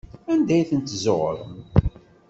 Anda ay ten-tezzuɣrem?